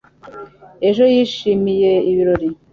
ejo yishimiye ibirori